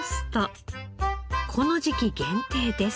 この時期限定です。